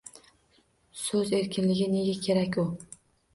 So‘z erkinligi – nega kerak u?